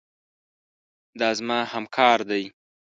دا زما همکار دی.